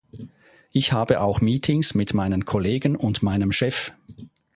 Ich habe auch Meetings mit meinen Kollegen und meinem Chef.